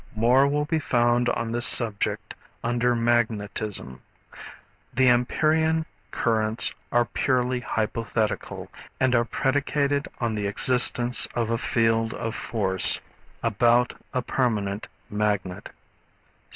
More will be found on this subject under Magnetism. The Ampérian currents are purely hypothetical and are predicated on the existence of a field of force about a permanent magnet.